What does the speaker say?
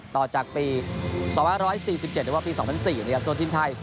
ต่อจากปี๒๑๔๗หรือว่าปี๒๐๐๔นะครับส่วนทีมไทย